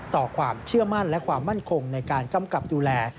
ต่อความเชื่อมั่นและความมั่นคงในการกำกับดูแล